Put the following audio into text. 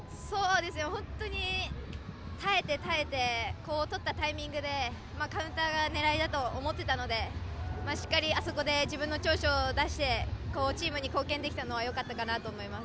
本当に耐えて耐えてとったタイミングでカウンターが狙いだと思っていたのであそこでしっかりと自分の長所を出して、チームに貢献できたのはよかったかなと思います。